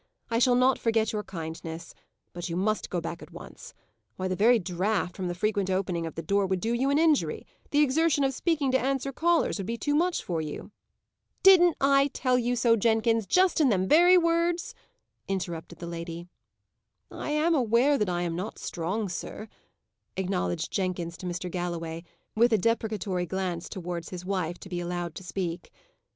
I shall not forget your kindness; but you must go back at once. Why, the very draught from the frequent opening of the door would do you an injury; the exertion of speaking to answer callers would be too much for you." "Didn't I tell you so, Jenkins, just in them very words?" interrupted the lady. "I am aware that I am not strong, sir," acknowledged Jenkins to Mr. Galloway, with a deprecatory glance towards his wife to be allowed to speak.